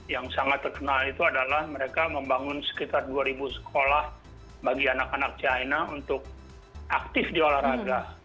yang sangat terkenal itu adalah mereka membangun sekitar dua sekolah bagi anak anak china untuk aktif di olahraga